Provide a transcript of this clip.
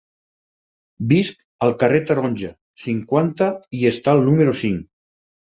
Visc al carrer Taronja, cinquanta i està al número cinc.